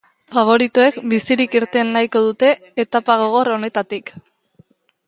Faboritoek bizirik irten nahiko dute etapa gogor honetatik.